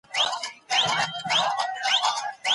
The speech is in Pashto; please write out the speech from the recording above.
که ښوونکی غوسه ناک وي نو ماشومان زړه تنګي وي.